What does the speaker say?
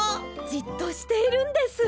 じっとしているんです。